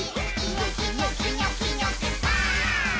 「ニョキニョキニョキニョキバーン！」